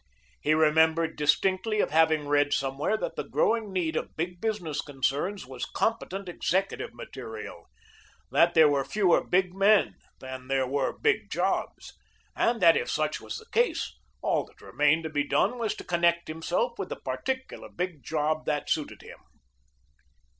He remembered distinctly of having read somewhere that the growing need of big business concerns was competent executive material that there were fewer big men than there were big jobs and that if such was the case all that remained to be done was to connect himself with the particular big job that suited him.